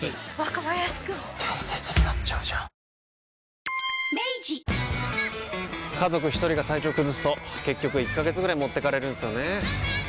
黄砂はきょう、家族一人が体調崩すと結局１ヶ月ぐらい持ってかれるんすよねー。